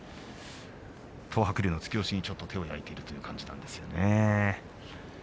東白龍の突き出しに手を焼いているという感じですね。